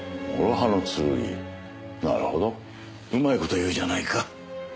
なるほどうまい事言うじゃないか。